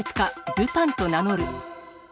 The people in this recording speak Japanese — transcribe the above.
ルパンと名乗る。